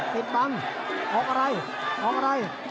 ปิดบังออกอะไรออกอะไร